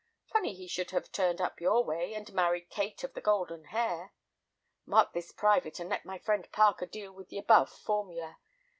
Funny he should have turned up your way, and married Kate of the golden hair. Mark this private, and let my friend Parker deal with the above formula.